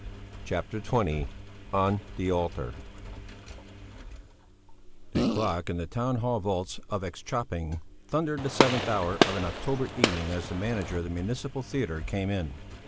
CHAPTER XX ON THE ALTAR The clock in the Town hall Vaults of X köping thundered the seventh hour of an October evening as the manager of the Municipal Theatre came in.